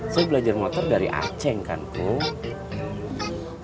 saya belajar motor dari aceh kan